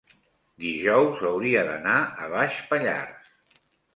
dijous hauria d'anar a Baix Pallars.